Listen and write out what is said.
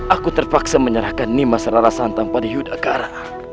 aku terpaksa menyerahkan nima sararasantang pada yudhagara